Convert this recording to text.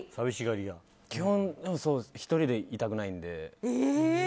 基本、１人でいたくないので。